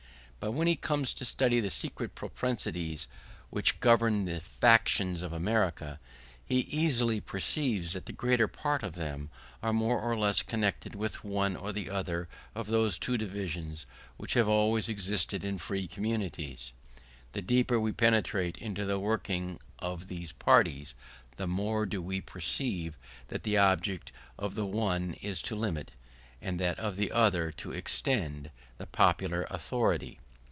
But when he comes to study the secret propensities which govern the factions of America, he easily perceives that the greater part of them are more or less connected with one or the other of those two divisions which have always existed in free communities. The deeper we penetrate into the working of these parties, the more do we perceive that the object of the one is to limit, and that of the other to extend, the popular authority.